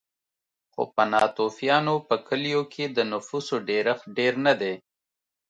خو په ناتوفیانو په کلیو کې د نفوسو ډېرښت ډېر نه دی